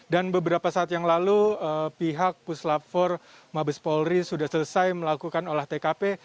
dan beberapa saat yang lalu pihak puslap empat mabes polri sudah selesai melakukan olah tkp